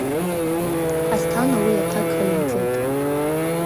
Асҭана уи аҭак ҟаимҵеит.